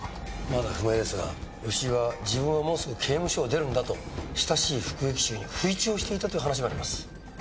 まだ不明ですが吉井は「自分はもうすぐ刑務所を出るんだ」と親しい服役囚に吹聴していたという話もあります。